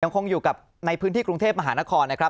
คงอยู่กับในพื้นที่กรุงเทพมหานครนะครับ